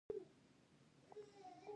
غلا ګناه ده.